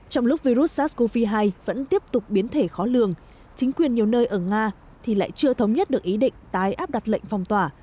trong lúc virus sars cov hai vẫn tiếp tục biến thể khó lường chính quyền nhiều nơi ở nga thì lại chưa thống nhất được ý định tái áp đặt lệnh phòng tỏa